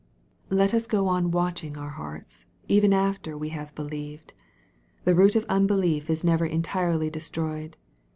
Let us go on watching our hearts, even after we have believed. The root of unbelief is never entirely de stroyed.